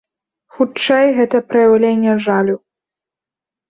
Хутчэй, гэта праяўленне жалю.